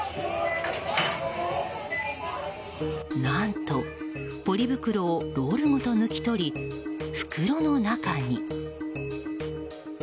何とポリ袋をロールごと抜き取り袋の中に。